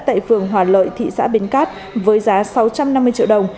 tại phường hòa lợi thị xã bến cát với giá sáu trăm năm mươi triệu đồng